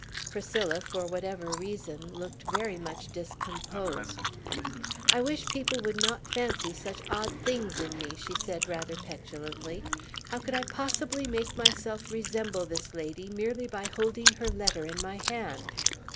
Priscilla, for whatever reason, looked very much discomposed. "I wish people would not fancy such odd things in me!" she said rather petulantly. "How could I possibly make myself resemble this lady merely by holding her letter in my hand?"